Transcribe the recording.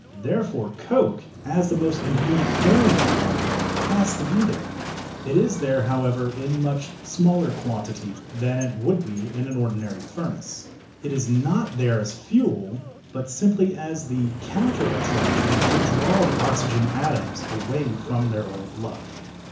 Therefore coke, as the most convenient form of carbon, has to be there. It is there, however, in much smaller quantity than it would be in an ordinary furnace. It is not there as fuel, but simply as the "counter attraction" to draw the oxygen atoms away from their old love.